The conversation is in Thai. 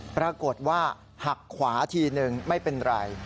ปรากฏว่าหักขวาทีนึงไม่เป็นไร